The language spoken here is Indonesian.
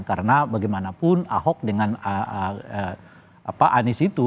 karena bagaimanapun ahok dengan anies itu